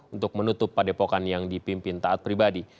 untuk menutup padepokan yang dipimpin taat pribadi